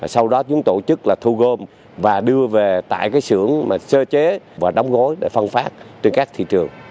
sau đó chúng tổ chức thu gom và đưa về tại sưởng sơ chế và đóng gối để phân phát trên các thị trường